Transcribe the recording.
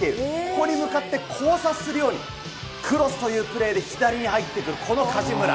ここに向かって交差するように、クロスというプレーで左に入ってくる、この梶村。